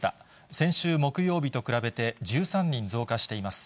先週木曜日と比べて、１３人増加しています。